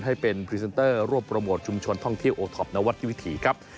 ให้เป็นพรีเซนเตอร์ร่วมโปรโมทชุมชนท่องเที่ยวโอท็อปนวัตวิถีครับ